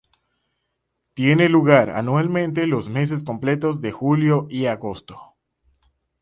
Tiene lugar anualmente los meses completos de julio y agosto.